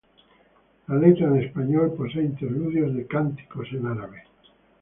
La letra en español, posee interludios de cánticos en árabe.